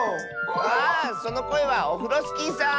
あそのこえはオフロスキーさん。